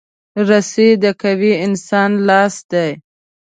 رسۍ د قوي انسان لاس دی.